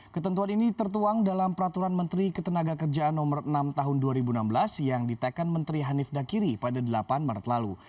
ketentuan ini tertuang dalam peraturan menteri ketenaga kerjaan no enam tahun dua ribu enam belas yang ditekan menteri hanif dakiri pada delapan maret lalu